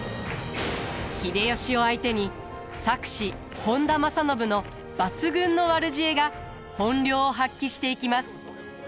秀吉を相手に策士本多正信の抜群の悪知恵が本領を発揮していきます。